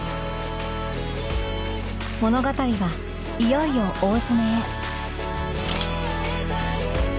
物語はいよいよ大詰めへ